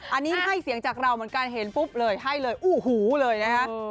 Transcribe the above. อันนี้ให้เสียงจากเราเหมือนกันเห็นปุ๊บเลยให้เลยอู้หูเลยนะฮะ